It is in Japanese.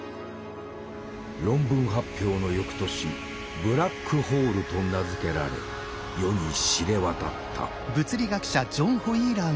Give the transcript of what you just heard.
論文発表の翌年「ブラックホール」と名付けられ世に知れ渡った。